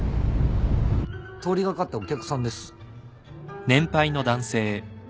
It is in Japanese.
通り掛かったお客さんです。